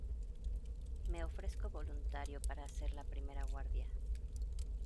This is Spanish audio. me ofrezco voluntario para hacer la primera guardia.